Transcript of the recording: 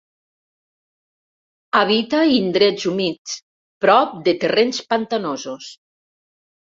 Habita indrets humits, prop de terrenys pantanosos.